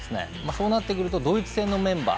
そうなってくるとドイツ戦のメンバー